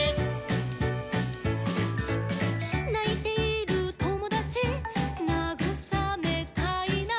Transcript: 「ないているともだちなぐさめたいな」